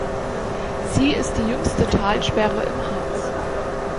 Sie ist die jüngste Talsperre im Harz.